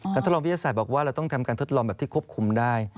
ทดลองวิทยาศาสตร์บอกว่าเราต้องทำการทดลองแบบที่ควบคุมได้